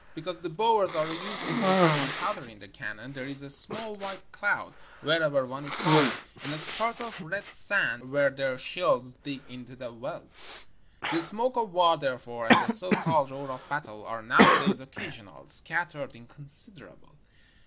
Because the Boers are using old fashioned powder in their cannon there is a small white cloud wherever one is fired, and a spurt of red sand where their shells dig into the veldt. The smoke of war, therefore, and the so called roar of battle are nowadays occasional, scattered, inconsiderable.